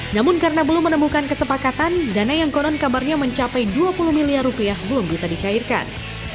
namun karena belum menemukan kesepakatan dana yang konon kabarnya mencapai dua puluh miliar rupiah belum bisa dicairkan